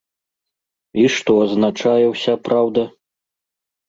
І што азначае ўся праўда?